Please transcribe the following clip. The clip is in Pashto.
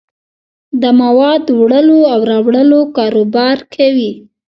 د موادو دوړلو او راوړلو کاروبار کوي.